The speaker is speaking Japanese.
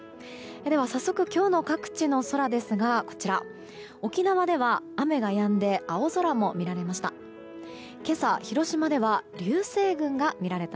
早速、今日の各地の空ですが沖縄では雨がやんで青空も見られました。